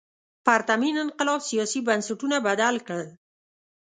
پرتمین انقلاب سیاسي بنسټونه بدل کړل.